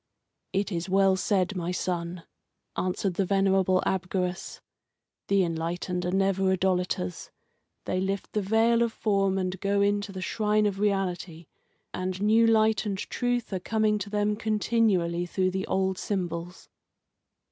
"It is well said, my son," answered the venerable Abgarus. "The enlightened are never idolaters. They lift the veil of form and go in to the shrine of reality, and new light and truth are coming to them continually through the old symbols."